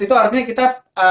itu artinya kita